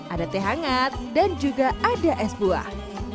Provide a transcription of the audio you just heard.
ada teh hangat dan juga ada es buah